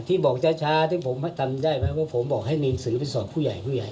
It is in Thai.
ที่บอกช้าที่ผมทำได้ผมบอกให้เรียนสือไปสอบผู้ใหญ่